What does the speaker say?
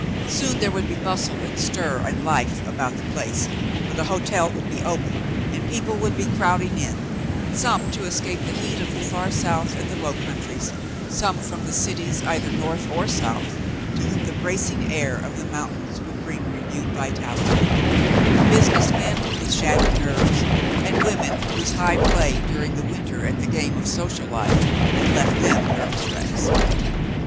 Soon there would be bustle and stir and life About the place, for the hotel would' be open and people would be crowding in, some to escape the heat of the far South and the low countries, some from the cities either North or South to whom the bracing air of the mountains would bring renewed vitality — business men with shat tered nerves and women whose high play during the winter at the game of social life had left them nervous wrecks.